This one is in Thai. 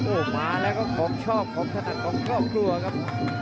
โอ้โหมาแล้วก็ของชอบของถนัดของครอบครัวครับ